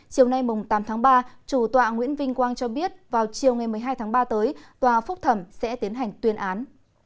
chiều nay tám tháng ba chủ tọa nguyễn vinh quang cho biết vào chiều ngày một mươi hai tháng ba tới tòa phúc thẩm sẽ tiến hành tuyên án